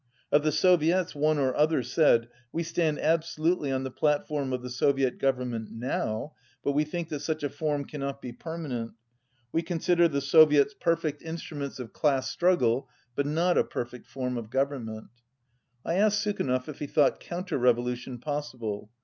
Of the Soviets, one or other said, "We stand abso lutely on the platform of the Soviet Government now: but we think that such a form cannot be permanent. We consider the Soviets perfect iii 203 struments of class struggle, but not a perfect form of government." I asked Sukhanov if he thought counter revolution possible.